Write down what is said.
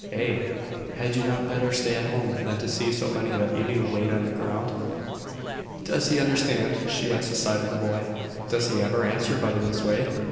"Had you not better stay at home than see so many that you knew laid in the ground?" "Does he understand?" she asked aside of the boy. "Does he never answer but in this way?"